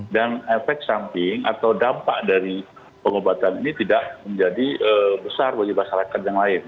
dan efek samping atau dampak dari pengobatan ini tidak menjadi besar bagi masyarakat yang lain